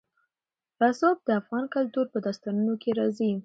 رسوب د افغان کلتور په داستانونو کې راځي.